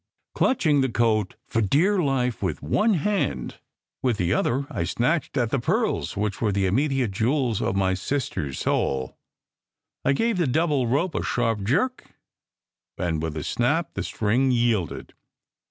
Clutching the coat for dear life with one hand, with the other I snatched at the pearls which were the "immediate jewels " of my sister s soul. I gave the double rope a sharp jerk, and with a snap the string yielded.